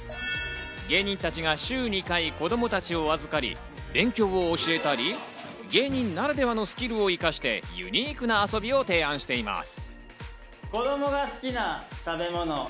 芸人たちが週２回、子供たちを預かり、勉強を教えたり、芸人ならではのスキルを生かしてユニークな遊びを提案しています。